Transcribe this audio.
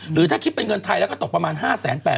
หรือถ้าคิดเป็นเงินไทยแล้วก็ตกประมาณ๕แสน๘หมื่นบาท